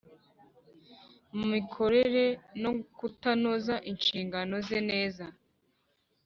mumikorere no kutanoza inshingano ze neza .